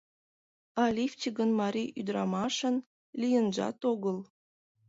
А лифчик гын марий ӱдырамашын лийынжат огыл.